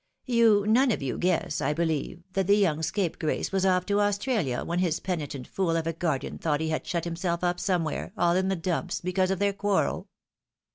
You none of you guess, I believe, that the young scapegrace was off to Australia when his penitent fool of a guardian thought he had shut him self up somewhere, all in the dumps, because of their quarrel?